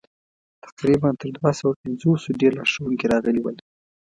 تقریباً تر دوه سوه پنځوسو ډېر لارښوونکي راغلي ول.